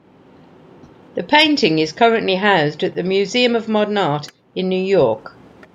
The painting is currently housed at the Museum of Modern Art in New York.